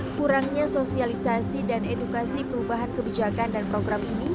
kurangnya sosialisasi dan edukasi perubahan kebijakan dan program ini